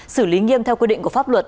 xử lý nghiêm theo quy định của pháp luật